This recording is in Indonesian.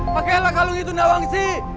pakailah kalung itu nawang sih